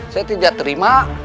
saya tidak terima